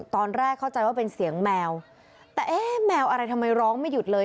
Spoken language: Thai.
ตอนแรกเข้าใจว่าเป็นเสียงแมวแต่เอ๊ะแมวอะไรทำไมร้องไม่หยุดเลย